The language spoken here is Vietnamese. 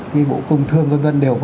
thì bộ công thương vân vân đều có